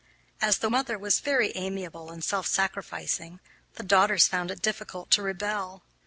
As the mother was very amiable and self sacrificing, the daughters found it difficult to rebel.